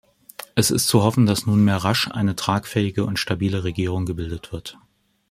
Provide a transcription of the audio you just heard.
Es ist zu hoffen, dass nunmehr rasch eine tragfähige und stabile Regierung gebildet wird.